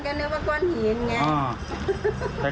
ก็นึกว่าก้อนหินไง